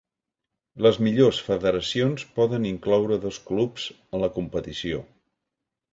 Les millors federacions poden incloure dos clubs a la competició.